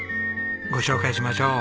ご紹介しましょう。